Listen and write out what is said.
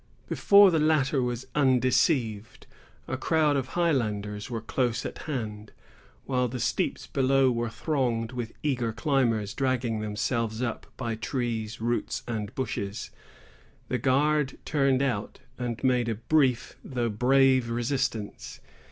Before the latter was undeceived, a crowd of Highlanders were close at hand, while the steeps below were thronged with eager climbers, dragging themselves up by trees, roots, and bushes. The guard turned out, and made a brief though brave resistance.